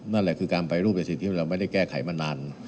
นั่นแหละคือการไปรูปในสิ่งที่เราไม่ได้แก้ไขมานาน